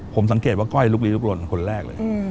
ผมสังเกตว่าก้อยลุกลีลุกลนคนแรกเลย